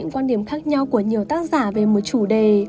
quan điểm khác nhau của nhiều tác giả về một chủ đề